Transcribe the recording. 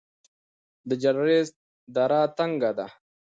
د جلریز دره تنګه ده